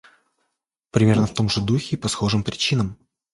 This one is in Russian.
Примерно в том же духе и по схожим причинам,